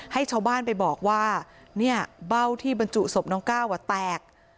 ให้ชาวบ้านไปบอกว่าเนี่ยเบ้าที่บรรจุศพน้องก้าวแตก